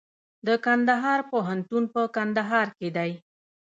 د کندهار پوهنتون په کندهار کې دی